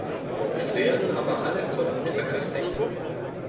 Es werden aber alle Kunden verköstigt.